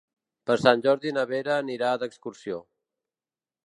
Per Sant Jordi na Vera anirà d'excursió.